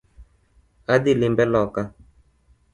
Adhii limbe loka